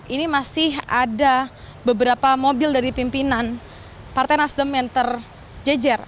ini masih ada beberapa mobil dari pimpinan partai nasdem yang terjejer